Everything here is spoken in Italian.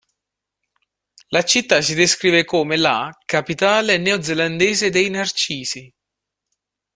La città si descrive come la "capitale neozelandese dei narcisi".